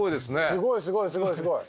すごいすごいすごいすごい。